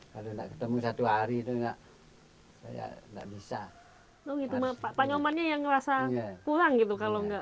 pernah pak pergi sehari misalnya di rumah saudara gitu